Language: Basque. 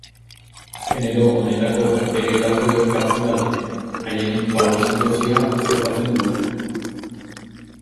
Genero honetako bakterio batzuek kapsula dute, haien fagozitosia oztopatzen duena.